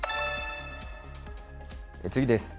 次です。